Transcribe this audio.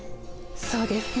そうです。